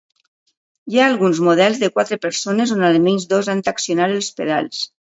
Hi ha alguns models de quatre persones on almenys dos han d'accionar els pedals.